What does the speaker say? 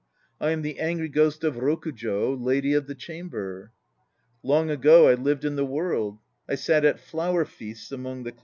I am the angry ghost of Rokujo, Lady of the Chamber. Long ago I lived in the world. I sat at flower feasts among the clouds.